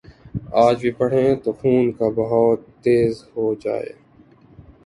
آج بھی پڑھیں تو خون کا بہاؤ تیز ہو جائے۔